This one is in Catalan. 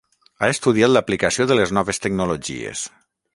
Ha estudiat l'aplicació de les noves tecnologies.